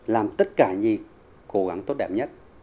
làm tất cả gì cố gắng tốt đẹp nhất